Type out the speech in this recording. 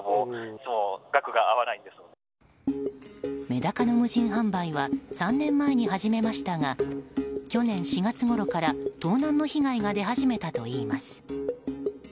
メダカの無人販売は３年前に始めましたが去年４月ごろから盗難の被害が出始めたといいます。